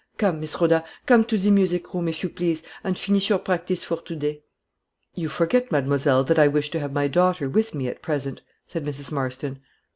Come, Miss Rhoda, come to the music room, if you please, and finish your practice for today." "You forget, mademoiselle, that I wish to have my daughter with me at present," said Mrs. Marston.